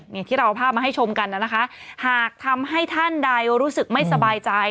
อย่างที่เราเอาภาพมาให้ชมกันนะคะหากทำให้ท่านใดรู้สึกไม่สบายใจ